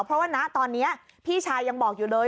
เพราะว่าณตอนนี้พี่ชายยังบอกอยู่เลย